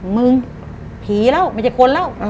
มึงผีแล้วไม่ใช่คนแล้ว